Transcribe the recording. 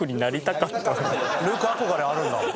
ルーク憧れあるんだ？